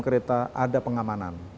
kereta ada pengamanan